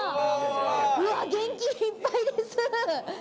元気いっぱいです。